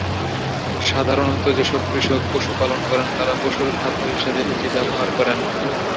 সাধারণত যেসব কৃষক পশু পালন করেন তারা পশুর খাদ্য হিসেবে এটি ব্যবহার করেন।